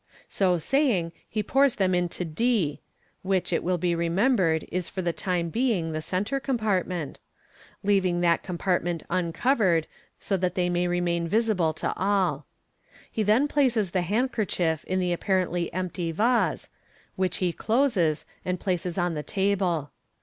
So saying, he pours them into d (which, it will be remembered, is for the time being the centre compartment), leaving that compartment uncovered, so that they may remain visible to all. He then places the handkerchief in the apparently empty vase, which he closes and places on the table.